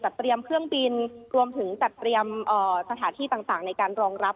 เตรียมเครื่องบินรวมถึงจัดเตรียมสถานที่ต่างในการรองรับ